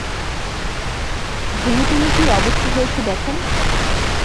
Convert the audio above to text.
ভেঙে-টেঙে কী অবস্থা হয়েছে দেখেন!